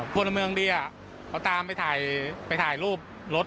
คนเมืองดีเขาตามไปถ่ายรูปรถ